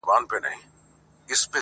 • ځکه چي هغوی ژبه نه لري -